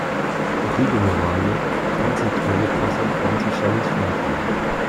Rue de Moranne, trente-sept mille trois cent trente Channay-sur-Lathan